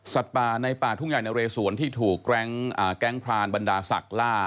ป่าในป่าทุ่งใหญ่นะเรสวนที่ถูกแก๊งพรานบรรดาศักดิ์ล่า